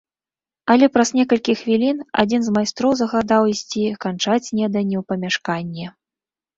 Але праз некалькі хвілін адзін з майстроў загадаў ісці канчаць снеданне ў памяшканне.